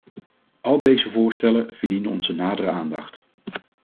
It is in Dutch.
Al deze voorstellen verdienen onze nadere aandacht.